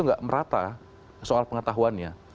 nggak merata soal pengetahuannya